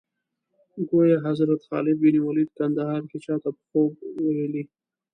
ګویا حضرت خالد بن ولید کندهار کې چا ته په خوب ویلي.